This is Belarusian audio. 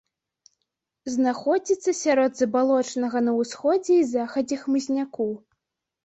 Знаходзіцца сярод забалочанага на ўсходзе і захадзе хмызняку.